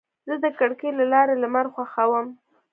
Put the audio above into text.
زه د کړکۍ له لارې لمر خوښوم.